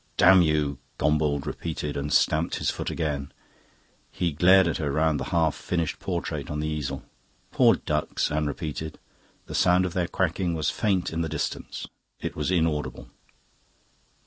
"Damn you!" Gombauld repeated, and stamped his foot again. He glared at her round the half finished portrait on the easel. "Poor ducks!" Anne repeated. The sound of their quacking was faint in the distance; it was inaudible.